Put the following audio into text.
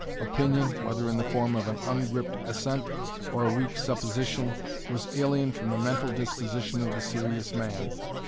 Opinion, whether in the form of an ungripped assent, or a weak supposition, was alien from the mental disposition of the serious man.